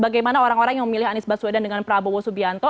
bagaimana orang orang yang memilih anies baswedan dengan prabowo subianto